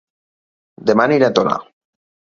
Dema aniré a Tona